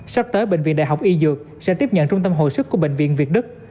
sắp tới bệnh viện đại học y dược sẽ tiếp nhận trung tâm hồi sức của bệnh viện việt đức